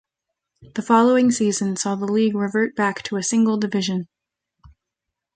The following season saw the league revert back to a single division.